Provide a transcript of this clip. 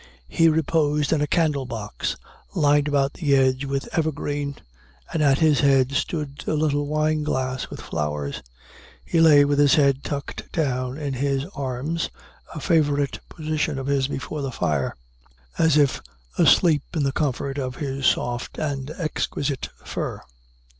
He reposed in a candle box, lined about the edge with evergreen, and at his head stood a little wine glass with flowers. He lay with his head tucked down in his arms, a favorite position of his before the fire, as if asleep in the comfort of his soft and exquisite fur.